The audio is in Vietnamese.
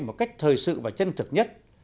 một cách thời sự và chân thực nhất